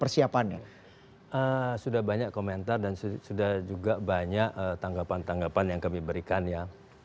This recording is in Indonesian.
persiapannya sudah banyak komentar dan sudah juga banyak tanggapan tanggapan yang kami berikan ya